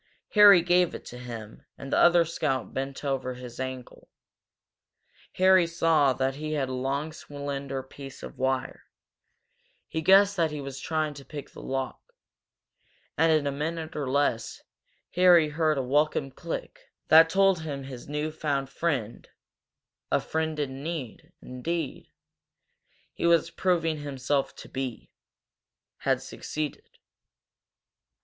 Harry gave it to him, and the other scout bent over his ankle. Harry saw that he had a long slender piece of wire. He guessed that he was going to try to pick the lock. And in a minute or less Harry heard a welcome click that told him his new found friend a friend in need, indeed, he was proving himself to be, had succeeded.